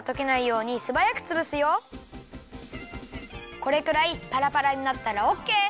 これくらいパラパラになったらオッケー！